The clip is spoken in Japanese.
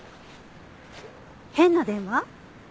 変な電話？